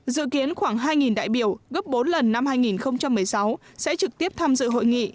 dự kiến khoảng hai đại biểu gấp bốn lần năm hai nghìn một mươi sáu sẽ trực tiếp tham dự hội nghị